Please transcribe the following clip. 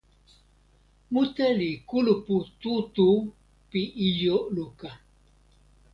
mute li kulupu tu tu pi ijo luka.